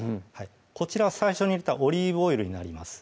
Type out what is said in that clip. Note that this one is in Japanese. こちらは最初に入れたオリーブオイルになります